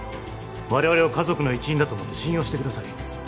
我々を家族の一員だと思って信用してください